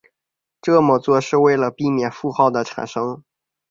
这么做是为了避免负号的产生。